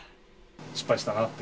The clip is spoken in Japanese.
失敗したなって？